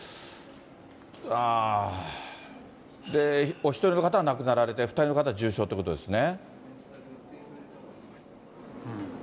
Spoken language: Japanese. お１人の方が亡くなられて、お２人の方が重傷ということですね。